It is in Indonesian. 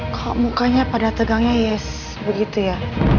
kok mukanya pada tegangnya yes begitu ya